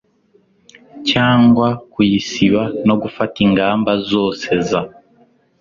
cyangwa kuyisiba no gufata ingamba zose za